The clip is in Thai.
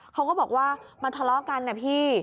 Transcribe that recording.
เขาก็บอกว่ามันทะเลาะกันนะพี่